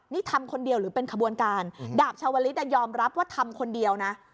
นี่ทำคนเดียวหรือเป็นขบวนการดาบชาวลิศยอมรับว่าทำคนเดียวนะ